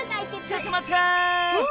ちょっとまった！わ！